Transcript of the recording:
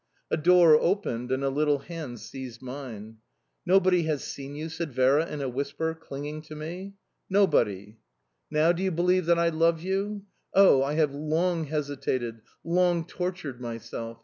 A door opened, and a little hand seized mine... "Nobody has seen you?" said Vera in a whisper, clinging to me. "Nobody." "Now do you believe that I love you? Oh! I have long hesitated, long tortured myself...